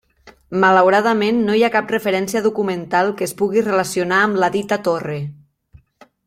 Malauradament, no hi ha cap referència documental que es pugui relacionar amb la dita torre.